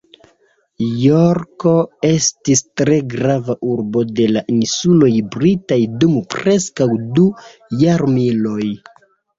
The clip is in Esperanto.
Jorko estis tre grava urbo de la insuloj britaj dum preskaŭ du jarmiloj.